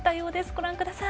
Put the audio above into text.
ご覧ください。